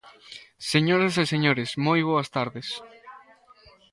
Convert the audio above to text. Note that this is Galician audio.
Señoras e señores, moi boas tardes.